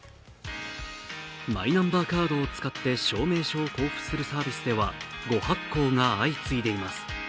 マイナンバーカードを使って証明書を交付するサービスでは誤発行が相次いでいます。